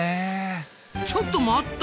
ちょっと待った！